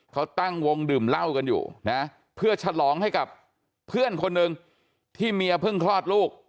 เขาตั้งวงดื่มเหล้ากันอยู่นะเพื่อฉลองให้กับเพื่อนคนหนึ่งที่เมียเพิ่งคลอดลูก